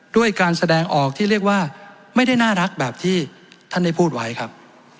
ด้วยการแสดงออกที่เรียกว่าไม่ได้น่ารักแบบที่ท่านได้พูดไว้ครับ